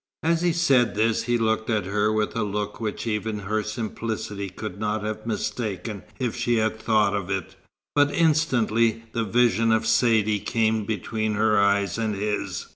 As he said this he looked at her with a look which even her simplicity could not have mistaken if she had thought of it; but instantly the vision of Saidee came between her eyes and his.